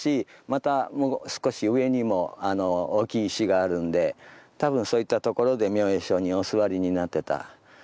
またもう少し上にもあの大きい石があるんで多分そういったところで明恵上人お坐りになってた。